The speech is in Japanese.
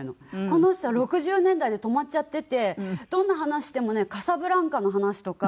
この人は６０年代で止まっちゃっててどんな話してもね『カサブランカ』の話とか。